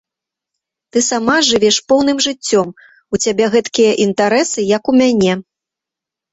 Ты сама жывеш поўным жыццём, у цябе гэткія інтарэсы, як у мяне.